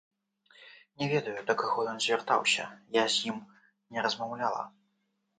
Не ведаю, да каго ён звяртаўся, я з ім не размаўляла.